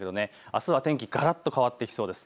あすは天気がらっと変わってきそうです。